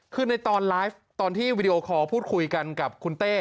คือในตอนไลฟ์ตอนที่วีดีโอคอลพูดคุยกันกับคุณเต้